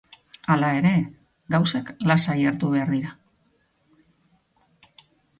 Hala ere, gauzak lasai hartu behar dira.